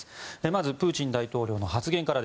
まずプーチン大統領の発言から。